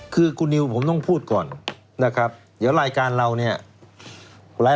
คือคุณนิวผมต้องพูดก่อนนะครับเดี๋ยวรายการเราเนี่ย